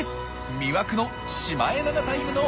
魅惑のシマエナガタイムの。